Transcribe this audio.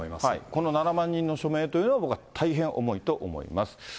この７万人の署名というの、僕は大変重いと思います。